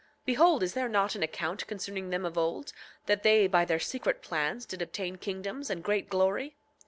Behold, is there not an account concerning them of old, that they by their secret plans did obtain kingdoms and great glory?